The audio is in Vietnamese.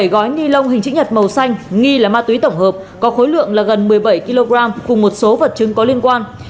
bảy gói ni lông hình chữ nhật màu xanh nghi là ma túy tổng hợp có khối lượng là gần một mươi bảy kg cùng một số vật chứng có liên quan